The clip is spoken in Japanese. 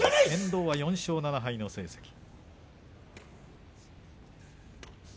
遠藤は４勝７敗の成績。